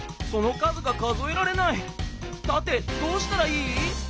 さてどうしたらいい？